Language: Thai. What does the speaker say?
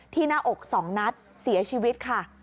หน้าอก๒นัดเสียชีวิตค่ะ